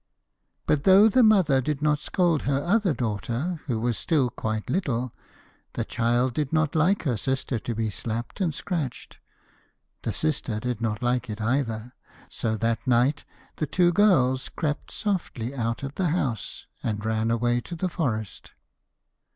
But though the mother did not scold her other daughter who was still quite little, the child did not like her sister to be slapped and scratched. The sister did not like it either; so that night the two girls crept softly out of the house and ran away to the forest.